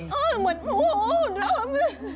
เหมือนหมู